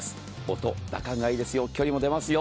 音、打感がいいですよ、距離も出ますよ。